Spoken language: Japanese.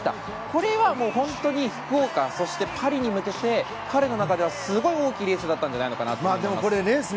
これはもう、本当に福岡そしてパリに向けて彼の中ではすごく大きなレースだったんじゃないかなと思います。